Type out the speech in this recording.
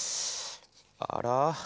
あら？